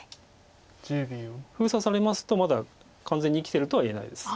封鎖されますとまだ完全に生きてるとはいえないです。